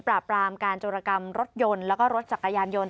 ปรามการจุรกรรมรถยนต์แล้วก็รถจักรยานยนต์